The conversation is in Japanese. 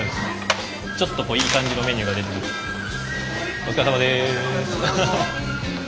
お疲れさまです。